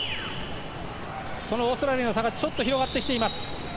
そのオーストラリアの差が広がってきてます。